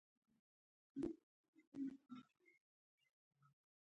د مطالعې مخکې لاندې فعالیت تر سره کړئ.